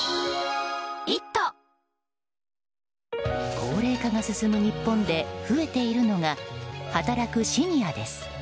高齢化が進む日本で増えているのが働くシニアです。